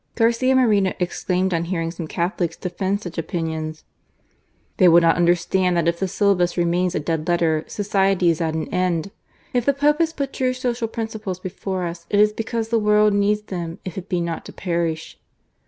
Garcia Moreno exclaimed on hearing some Catholics defend such opinions :" They will not understand that if the Syllabus remains a dead letter, society is at an end ! If the Pope has put true social principles before us, it is because the world needs them if it be not to perish."